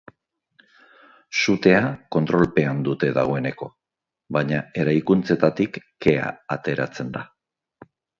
Sutea kontrolpean dute dagoeneko, baina eraikuntzetatik kea ateratzen da.